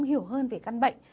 hiểu hơn về căn bệnh